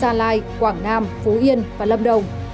gia lai quảng nam phú yên và lâm đồng